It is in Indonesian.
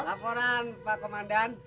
laporan pak komandan